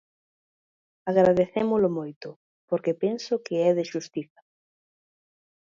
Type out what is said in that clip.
Agradecémolo moito, porque penso que é de xustiza.